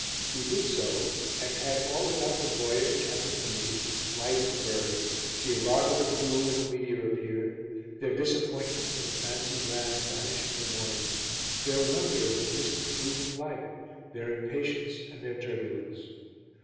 We did so and had all about the voyage and the tunnies, the flight of the birds, the alarm of the crew when the meteor appeared, their disappointment when the fancied land vanished in the morning, their wonder at the distant moving light, their impatience and their turbulence.